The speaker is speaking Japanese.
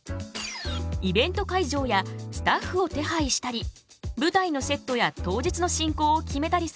イベント会場やスタッフを手配したり舞台のセットや当日の進行を決めたりする準備作業。